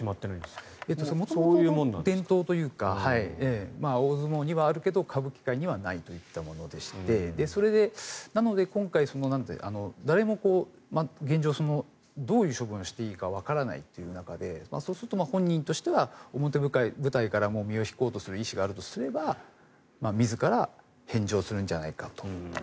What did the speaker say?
元々、伝統というか大相撲にはあるけど歌舞伎界にはないといったものでしてそれで、なので今回誰も現状どういう処分をしていいかわからないという中でそうすると本人としては表舞台から身を引こうとする意思があるとすれば自ら返上するんじゃないかと。